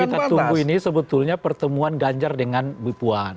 yang perlu kita tunggu ini sebetulnya pertemuan ganjar dengan bipuan